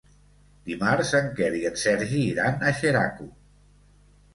Dimarts en Quer i en Sergi iran a Xeraco.